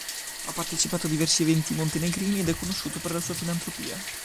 Ha partecipato a diversi eventi montenegrini ed è conosciuto per la sua filantropia.